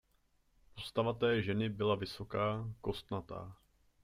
Postava ženy té byla vysoká, kostnatá.